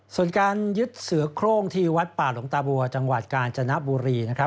ส่วนการยึดเสือโครงที่วัดป่าหลวงตาบัวจังหวัดกาญจนบุรีนะครับ